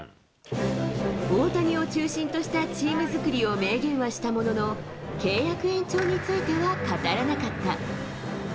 大谷を中心としたチーム作りを明言はしたものの、契約延長については語らなかった。